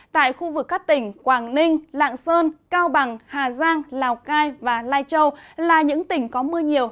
tại khu vực các tỉnh quảng ninh lạng sơn cao bằng hà giang lào cai và lai châu là những tỉnh có mưa nhiều